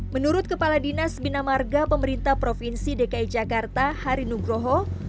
menurut kepala dinas bina marga pemerintah provinsi dki jakarta hari nugroho